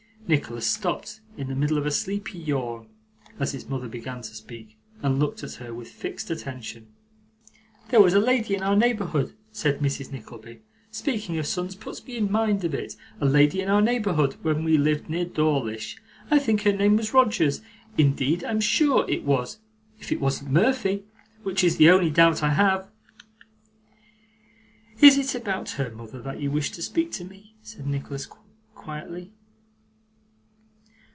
Nicholas stopped in the middle of a sleepy yawn, as his mother began to speak: and looked at her with fixed attention. 'There was a lady in our neighbourhood,' said Mrs. Nickleby, 'speaking of sons puts me in mind of it a lady in our neighbourhood when we lived near Dawlish, I think her name was Rogers; indeed I am sure it was if it wasn't Murphy, which is the only doubt I have ' 'Is it about her, mother, that you wished to speak to me?' said Nicholas quietly.